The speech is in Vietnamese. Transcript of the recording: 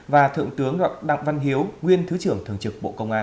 và thượng tướng đặng văn hiếu nguyên thứ trưởng thường trực bộ công an